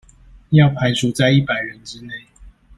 要排除在一百人之内